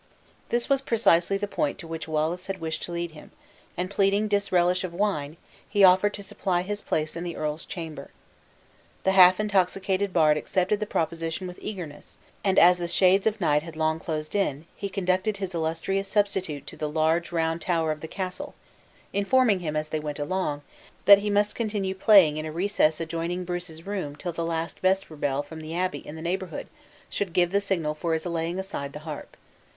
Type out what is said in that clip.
This was precisely the point to which Wallace had wished to lead him; and pleading disrelish of wine, he offered to supply his place in the earl's chamber. The half intoxicated bard accepted the proposition with eagerness; and as the shades of nigh had long closed in, he conducted his illustrious substitute to the large round tower of the castle, informing him as they went along, that he must continue playing in a recess adjoining Bruce's room till the last vesper bell from the abbey in the neighborhood should give the signal for his laying aside the harp.